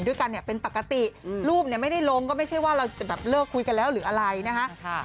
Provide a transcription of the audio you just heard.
ด้วยกันเนี่ยเป็นปกติรูปเนี่ยไม่ได้ลงก็ไม่ใช่ว่าเราจะแบบเลิกคุยกันแล้วหรืออะไรนะคะ